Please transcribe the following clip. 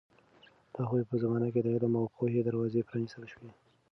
د هغوی په زمانه کې د علم او پوهې دروازې پرانیستل شوې.